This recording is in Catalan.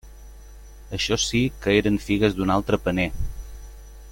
Això sí que eren figues d'un altre paner!